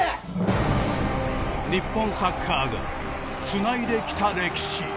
日本サッカーがつないできた歴史。